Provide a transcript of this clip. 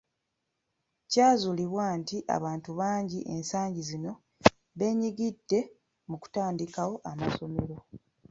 Kyazuulibwa nti abantu bangi ensangi zino beenyigidde mu kutandikawo amasomera.